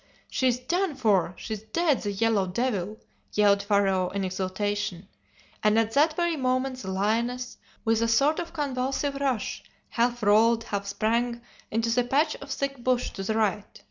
"'She's done for! she's dead, the yellow devil!' yelled Pharaoh in exultation; and at that very moment the lioness, with a sort of convulsive rush, half rolled, half sprang, into the patch of thick bush to the right.